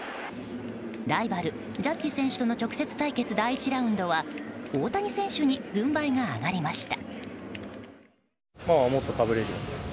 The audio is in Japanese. ライバル、ジャッジ選手との直接対決第１ラウンドは大谷選手に軍配が上がりました。